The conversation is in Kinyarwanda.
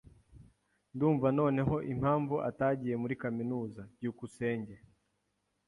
Ndumva noneho impamvu atagiye muri kaminuza. byukusenge